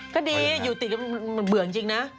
ก็ดีอยู่ติดแล้วมันเบื่อจริงนะ